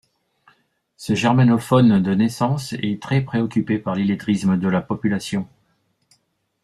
Ce germanophone de naissance est très préoccupé par l'illettrisme de la population.